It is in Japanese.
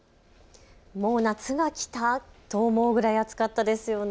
もう夏が来た？と思うくらい暑かったですよね。